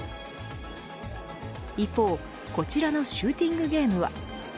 一方、こちらのシューティングゲームは。